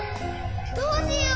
どうしよう。